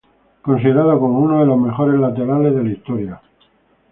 Considerado como uno de los mejores laterales de la historia.